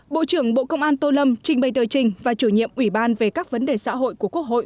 bộ trưởng bộ công an tô lâm trình bày tờ trình và chủ nhiệm ủy ban về các vấn đề xã hội của quốc hội